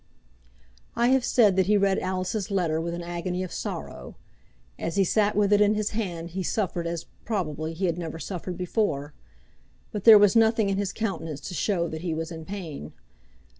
I have said that he read Alice's letter with an agony of sorrow; as he sat with it in his hand he suffered as, probably, he had never suffered before. But there was nothing in his countenance to show that he was in pain.